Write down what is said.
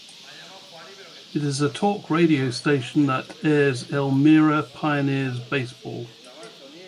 It is a talk radio station that airs Elmira Pioneers baseball.